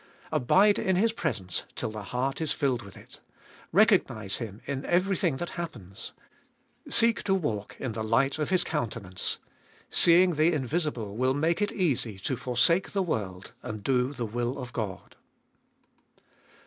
Abide in His presence till the heart is filled with it. Recognise Him in every thing that happens. Seek to walk in the light of His countenance. Seeing the Invisible will make it easy to forsake the world and do the will of God.